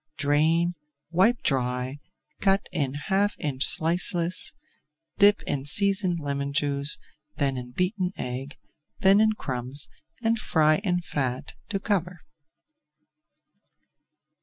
Drain, wipe dry, cut in half inch slices, dip in seasoned lemon juice, then in beaten egg, then in crumbs, and fry in fat to cover.